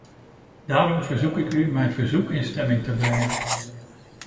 Daarom verzoek ik u mijn verzoek in stemming te brengen.